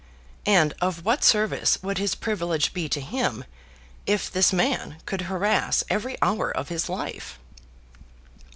And of what service would his privilege be to him, if this man could harass every hour of his life?